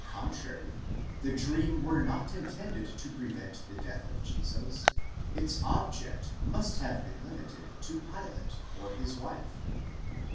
contrary, the dream were not intended to prevent the death of Jesus, its object must have been limited to Pilate or his wife.